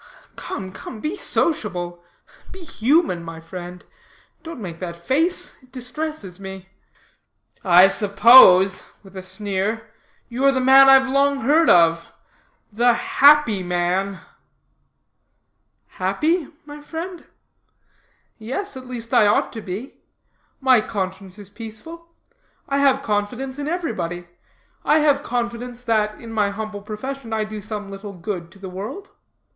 "Come, come, be sociable be human, my friend. Don't make that face; it distresses me." "I suppose," with a sneer, "you are the man I've long heard of The Happy Man." "Happy? my friend. Yes, at least I ought to be. My conscience is peaceful. I have confidence in everybody. I have confidence that, in my humble profession, I do some little good to the world.